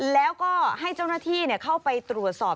แล้วก็ให้เจ้าหน้าที่เข้าไปตรวจสอบ